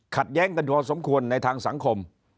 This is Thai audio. แย้งกันพอสมควรในทางสังคม